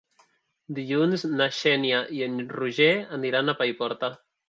Dilluns na Xènia i en Roger aniran a Paiporta.